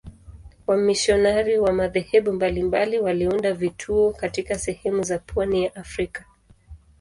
Wamisionari wa madhehebu mbalimbali waliunda vituo katika sehemu za pwani ya Afrika.